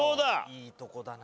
いいとこだな。